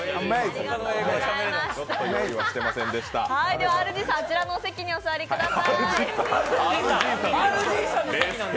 ではＲＧさん、あちらのお席にお座りください。